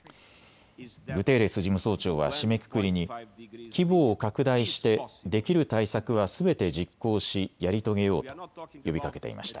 グテーレス事務総長は締めくくりに規模を拡大してできる対策はすべて実行しやり遂げようと呼びかけていました。